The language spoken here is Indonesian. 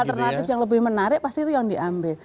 nah kalau ada alternatif yang lebih menarik pasti itu yang diambil